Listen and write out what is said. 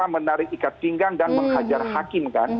menarik ikat pinggang dan menghajar hakim kan